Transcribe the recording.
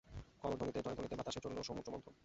কলধ্বনিতে জয়ধ্বনিতে বাতাসে চলল সমুদ্রমন্থন।